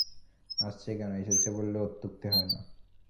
আসছে কেন, এসেছে বললেও অত্যুক্তি হয় না।